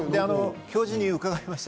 教授に伺いました。